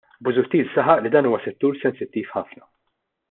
Busuttil saħaq li dan huwa settur sensittiv ħafna.